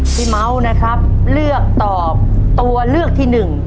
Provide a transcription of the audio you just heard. พี่เมาท์นะครับเลือกตอบตัวเลือกที่๑